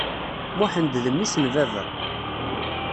Muḥend d mmi-s n baba.